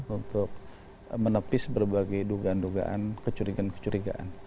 untuk menepis berbagai dugaan dugaan kecurigaan kecurigaan